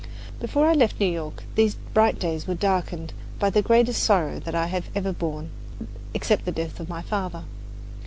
Before I left New York, these bright days were darkened by the greatest sorrow that I have ever borne, except the death of my father.